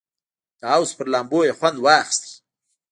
د حوض پر لامبو یې خوند واخیست.